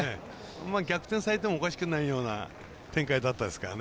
逆転されてもおかしくないような展開だったですからね。